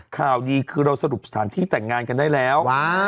ข่าวดีคือเราสรุปสถานที่แต่งงานกันได้แล้ว